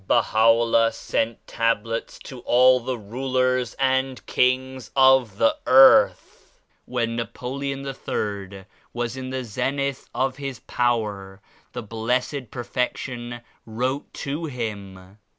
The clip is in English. Baha'u'llah sent Tablets to all the Kings and rulers of the earth. When Napoleon III was in the zenith of his power, the Blessed Perfection wrote to him.